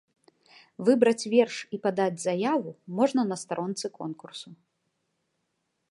Выбраць верш і падаць заяву можна на старонцы конкурсу.